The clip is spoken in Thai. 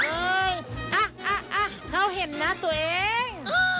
อ้าวเขาเห็นน่ะตัวเอง